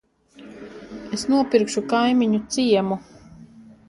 Es nopirkšu kaimiņu ciemu.